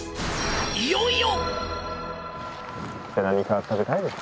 いよいよ！